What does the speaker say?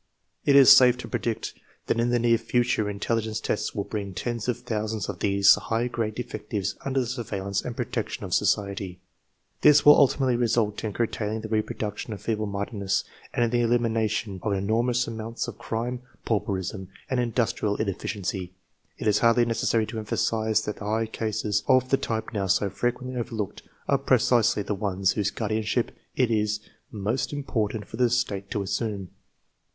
It is safe to predict that in thgjear future intelligence tests will bring tens of thousands of ^lies<rin^^nHirde fectives under the surveillance and protection of .society. USES OF INTELLIGENCE TESTS 7 This will ultimately result in curtailing the reproduction of feeble mindedncss and in the elimination of an enor mous amount of crime, pauperism, and industrial inef ficiency. It is hardly necessary to emphasize that the high grade cases, of the type now so frequently overlooked, are precisely the ones whose guardianship it is most important for the State to assume.